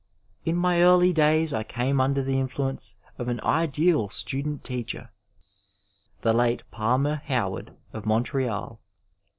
In my early days I came under the influence of an ideal student teacher, the late Pahner Howard, of Montreal.